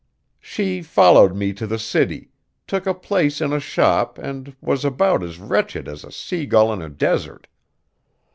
She followed me to the city, took a place in a shop, and was about as wretched as a sea gull in a desert.